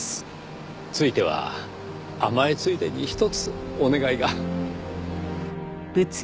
ついては甘えついでにひとつお願いが。